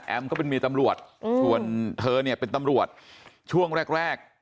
ก็เป็นเมียตำรวจส่วนเธอเนี่ยเป็นตำรวจช่วงแรกแรก